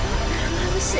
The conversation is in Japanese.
まぶしい。